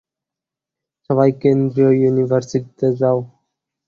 সবাই কেন্দ্রীয় ইউনিভার্সিটিতে যাও।